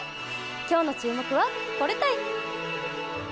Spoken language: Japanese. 今日の注目は、これたい！